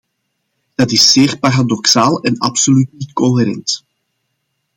Dat is zeer paradoxaal en absoluut niet coherent.